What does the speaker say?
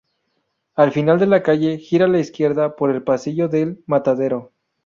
Al final de la calle, gira a la izquierda por el Pasillo del Matadero.